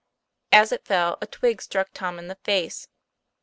As it fell, a twig struck Tom in the face.